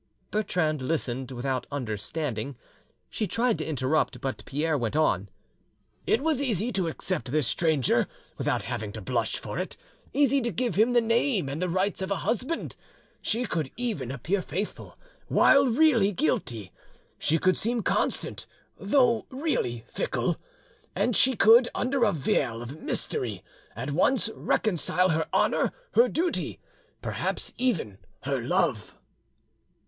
Bertrande listened without understanding; she tried to interrupt, but Pierre went on— "It was easy to accept this stranger without having to blush for it, easy to give him the name and the rights of a husband! She could even appear faithful while really guilty; she could seem constant, though really fickle; and she could, under a veil of mystery, at once reconcile her honour, her duty—perhaps even her love."